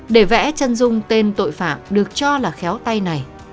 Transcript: để vẽ chân dung tên tội phạm được cho là khéo tay này